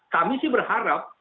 kami sih berharap